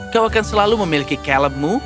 kau akan selalu memiliki calebmu